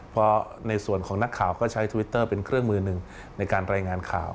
เพราะในส่วนของนักข่าวก็ใช้ทวิตเตอร์เป็นเครื่องมือหนึ่งในการรายงานข่าว